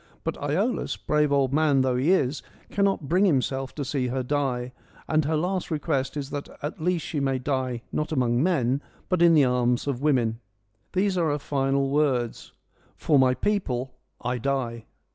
But Iolaus, brave old man though he is, cannot bring himself to see her die, and her last request is that at least she may die not among men, but in the arms of women. These are her final words :' For my people I die.